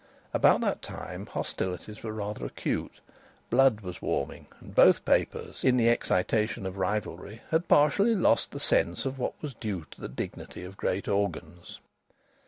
About that time hostilities were rather acute; blood was warming, and both papers, in the excitation of rivalry, had partially lost the sense of what was due to the dignity of great organs.